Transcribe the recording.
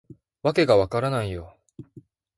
わけが分からないよ